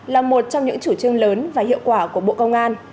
là một trong những chủ trương lớn và hiệu quả của bộ công an